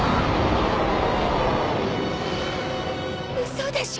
嘘でしょ。